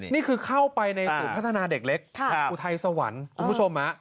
นี่คือเข้าไปในศูนย์พัฒนาเด็กเล็กอุทัยสวรรค์คุณผู้ชม